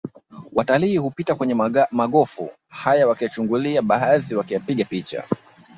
Watalii hupita kwenye magofu haya wakiyachungulia baadhi wakiyapiga picha